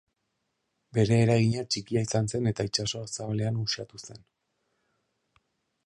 Bere eragina txikia izan zen eta itsaso zabalean uxatu zen.